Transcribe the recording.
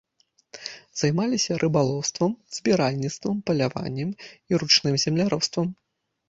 Займаліся рыбалоўствам, збіральніцтвам, паляваннем і ручным земляробствам.